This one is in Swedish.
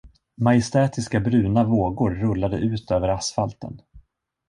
Majestätiska bruna vågor rullade ut över asfalten.